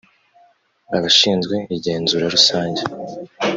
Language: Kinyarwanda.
abashinzwe igenzura rusange